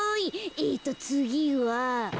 えっとつぎは。